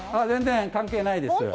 全然関係ないです。